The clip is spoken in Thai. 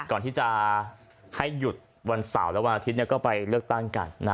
ก่อนที่จะให้หยุดวันเสาร์และวันอาทิตย์ก็ไปเลือกตั้งกันนะ